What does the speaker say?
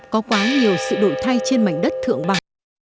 có quá nhiều sự đổi thay trên mảnh đất thượng bằng